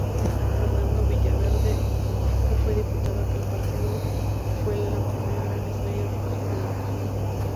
Fernando Villaverde, que disputó aquel partido, fue la primera gran estrella rojiblanca.